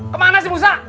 kemana si usah